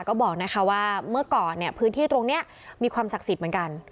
ก็บอกนะคะว่าเมื่อก่อนเนี่ยพื้นที่ตรงนี้มีความศักดิ์สิทธิ์เหมือนกัน